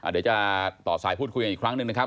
เดี๋ยวจะต่อสายพูดคุยกันอีกครั้งหนึ่งนะครับ